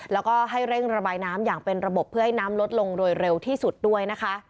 แล้วก็ให้เร่งระบายน้ำอย่างเป็นระบบเพื่อให้น้ำลดลงโดยเร็วที่สุดด้วยนะคะ